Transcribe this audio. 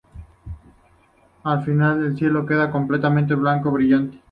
Al final, el cielo queda completamente blanco brillante.